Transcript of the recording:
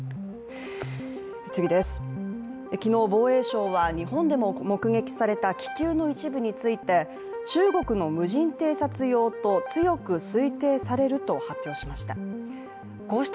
昨日、防衛省は日本でも目撃された気球の一部について中国の無人偵察用と強く推定されると発表しました。